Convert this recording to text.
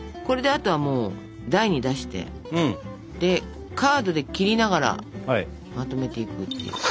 これであとはもう台に出してでカードで切りながらまとめていくっていう。